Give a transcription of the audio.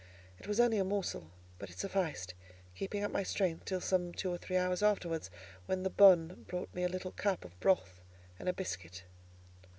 It was only a morsel, but it sufficed; keeping up my strength till some two or three hours afterwards, when the bonne brought me a little cup of broth and a biscuit.